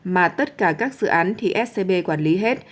mà tất cả các dự án thì scb quản lý hết